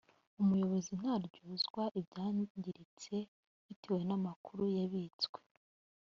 umuyobozi ntaryozwa ibyangiritse bitewe n amakuru yabitswe